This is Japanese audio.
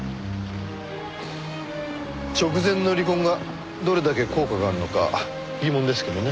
直前の離婚がどれだけ効果があるのか疑問ですけどね。